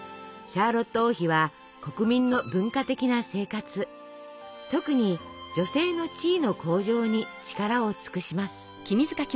シャーロット王妃は国民の文化的な生活特に女性の地位の向上に力を尽くします。